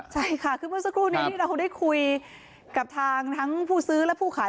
ใช่ค่ะคือเมื่อสักครู่นี้ที่เราได้คุยกับทางทั้งผู้ซื้อและผู้ขาย